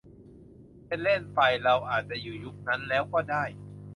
เป็นเล่นไป เราอาจจะอยู่ยุคนั้นแล้วก็ได้